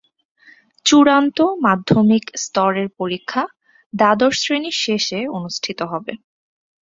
চূড়ান্ত মাধ্যমিক স্তরের পরীক্ষা দ্বাদশ শ্রেণির শেষে অনুষ্ঠিত হবে।